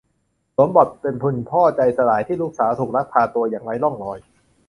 สวมบทเป็นคุณพ่อใจสลายที่ลูกสาวถูกลักพาตัวอย่างไร้ร่องรอย